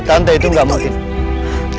tante itu gak mungkin